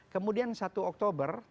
kemudian satu oktober